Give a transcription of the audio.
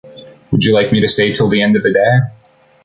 Would you like me to stay till the end of the day?